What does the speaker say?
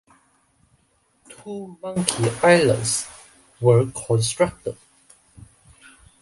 Two monkey islands were constructed.